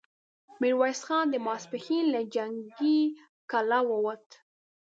ميرويس خان ماسپښين له جنګي کلا ووت،